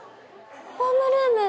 ホームルーム